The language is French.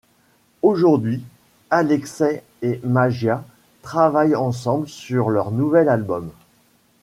Aujourd’hui, Alexey et Magia travaillent ensemble sur leur nouvel album.